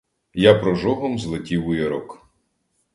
Я прожогом злетів у ярок.